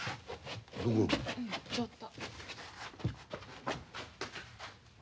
ちょっと。